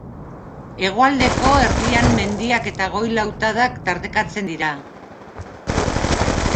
Hegoaldeko erdian mendiak eta goi-lautadak tartekatzen dira.